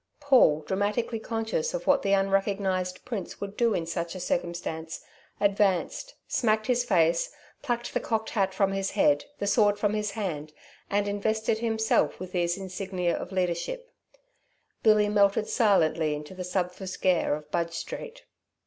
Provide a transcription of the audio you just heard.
Paul, dramatically conscious of what the unrecognized prince would do in such a circumstance, advanced, smacked his face, plucked the cocked hat from his head, the sword from his hand, and invested himself with these insignia of leadership, Billy melted silently into the subfusc air of Budge Street.